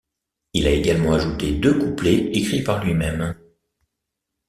Il a également ajouté deux couplets écrits par lui-même.